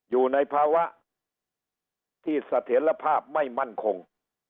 อยู่ในภาวะที่เสถียรภาพไม่มั่นคง